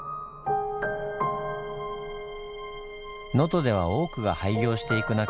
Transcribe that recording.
能登では多くが廃業していく中